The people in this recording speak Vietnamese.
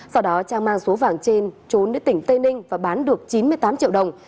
sau đó trang mang số vàng trên trốn đến tỉnh tây ninh và bán được chín mươi tám triệu đồng